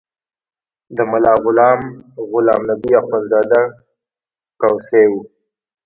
د ملا غلام غلام نبي اخندزاده کوسی و.